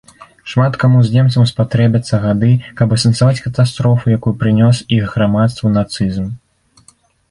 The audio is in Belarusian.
Шмат каму з немцаў спатрэбяцца гады, каб асэнсаваць катастрофу, якую прынёс іх грамадству нацызм.